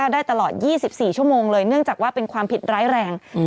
ได้ตลอด๒๔ชั่วโมงเลยเนื่องจากว่าเป็นความผิดร้ายแรง